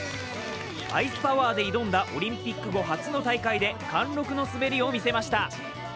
アイスパワーで挑んだオリンピック後初の大会で貫禄の滑りを見せました。